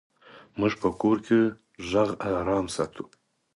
موږ په کور کې غږ آرام ساتو.